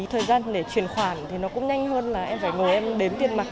thời gian để chuyển khoản thì nó cũng nhanh hơn là em phải mời em đếm tiền mặt